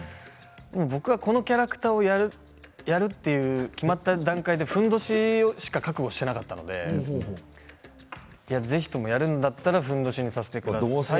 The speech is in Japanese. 僕はこのキャラクターをやると決まった段階でふんどししか覚悟していなかったのでぜひとも、やるんだったらふんどしにさせてくださいと。